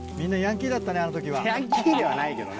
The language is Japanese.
ヤンキーではないけどね。